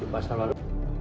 di pasar waru